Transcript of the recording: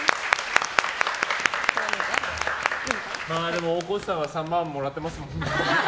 でも、大河内さんは３万もらってますもんね。